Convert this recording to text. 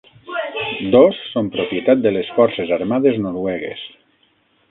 Dos són propietat de les Forces Armades noruegues.